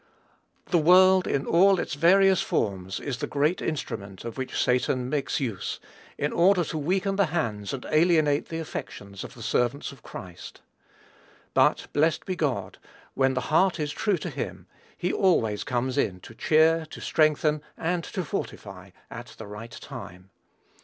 The world in all its various forms is the great instrument of which Satan makes use, in order to weaken the hands and alienate the affections of the servants of Christ. But, blessed be God, when the heart is true to him, he always comes in to cheer, to strengthen, and to fortify, at the right time.